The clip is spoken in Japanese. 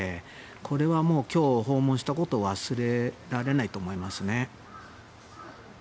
これは今日訪問したことは忘れられないと思いますね。